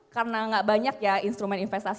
karena gak banyak ya instrumen investasi